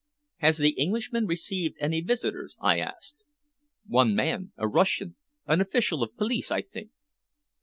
"Has the Englishman received any visitors?" I asked. "One man a Russian an official of police, I think."